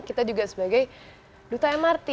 kita juga sebagai duta mrt